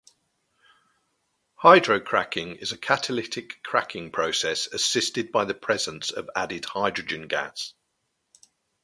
Hydrocracking is a catalytic cracking process assisted by the presence of added hydrogen gas.